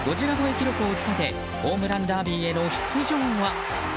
記録を打ち立てホームランダービーへの出場は？